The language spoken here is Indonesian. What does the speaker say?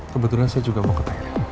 kebetulan saya juga mau ke teman